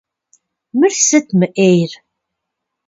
Мыр сыт мы Ӏейр?